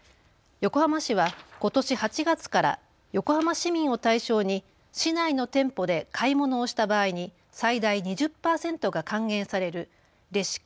横浜市はことし８月から横浜市民を対象に市内の店舗で買い物をした場合に最大２０％が還元されるレシ活